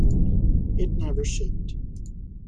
It never shipped.